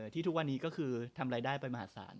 ทุกวันนี้ก็คือทำรายได้ไปมหาศาล